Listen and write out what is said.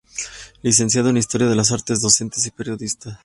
Licenciado en Historia de las Artes, docente y periodista.